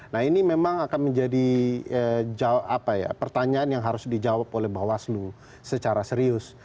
nah ini memang akan menjadi pertanyaan yang harus dijawab oleh bawaslu secara serius